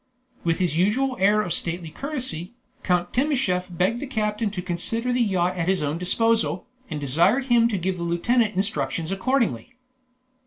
With his usual air of stately courtesy, Count Timascheff begged the captain to consider the yacht at his own disposal, and desired him to give the lieutenant instructions accordingly.